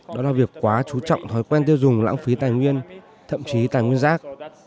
đó là việc quá chú trọng thói quen tiêu dùng lãng phí tài nguyên thậm chí tài nguyên rác